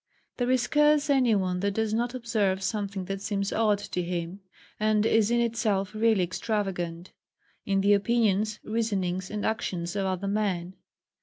There is scarce any one that does not observe something that seems odd to him, and is in itself really extravagant, in the opinions, reasonings, and actions of other men.